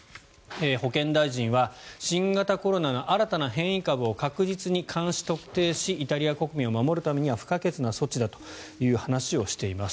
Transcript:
保健大臣は新型コロナの新たな変異株を確実に監視・特定しイタリア国民を守るためには不可欠な措置だという話をしています。